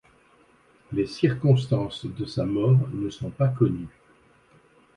Les circonstances de sa mort ne sont pas connues.